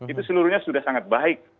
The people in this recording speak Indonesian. itu seluruhnya sudah sangat baik